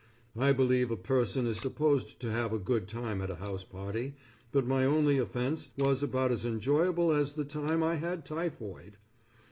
I believe a person is supposed to have a good time at a house party, but my only offense was about as enjoyable as the time I had typhoid.